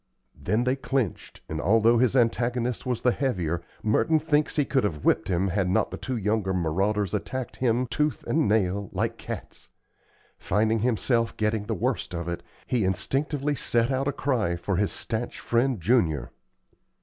Then they clinched, and, although his antagonist was the heavier, Merton thinks he could have whipped him had not the two younger marauders attacked him, tooth and nail, like cats. Finding himself getting the worst of it, he instinctively sent out a cry for his stanch friend Junior.